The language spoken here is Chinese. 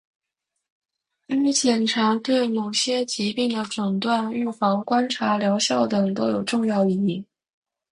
该检查对某些疾病的诊断、预防、观察疗效等都有重要意义